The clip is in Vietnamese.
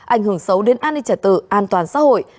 ảnh hưởng xấu đến an ninh trả tự an toàn xã hội